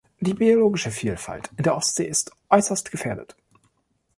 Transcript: Die biologische Vielfalt in der Ostsee ist äußerst gefährdet.